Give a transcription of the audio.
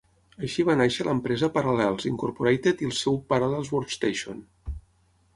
Així va néixer l'empresa Parallels, Incorporated i el seu Parallels Workstation.